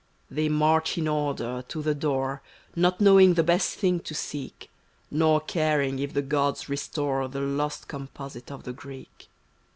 They march in order to the door, Not knowing the best thing to seek. Nor caring if th^ gods restore The lost composite of the Greek.